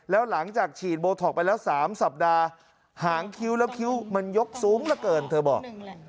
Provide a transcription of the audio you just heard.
แล้วหลังจากฉีดโบท็อกไปแล้ว๓สัปดาห์หางคิ้วแล้วคิ้วมันยกสูงเหลือเกินเธอบอก